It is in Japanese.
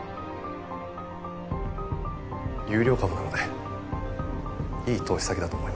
優良株なのでいい投資先だと思いました。